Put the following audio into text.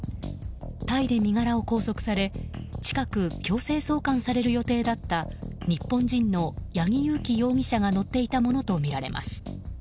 タイで身柄を拘束され近く強制送還される予定だった日本人の八木佑樹容疑者が乗っていたものとみられます。